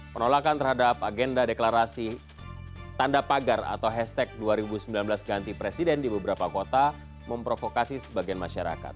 penolakan terhadap agenda deklarasi tanda pagar atau hashtag dua ribu sembilan belas ganti presiden di beberapa kota memprovokasi sebagian masyarakat